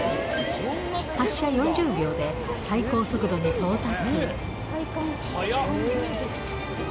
発車４０秒で最高速度に到達。